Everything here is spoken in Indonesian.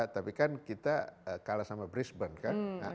tapi kan kita kalah sama brisbane kan